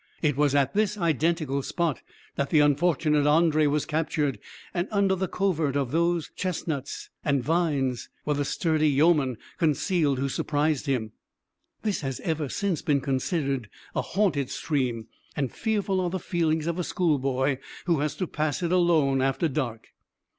It was at this identical spot that the unfortunate André was captured, and under the covert of those chestnuts and vines were the sturdy yeomen concealed who surprised him. This has ever since been considered a haunted stream, and fearful are the feelings of a schoolboy who has to pass it alone after dark.